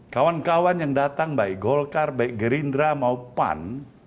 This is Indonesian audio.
kawan kawan yang datang baik golkar baik gerindra mau pan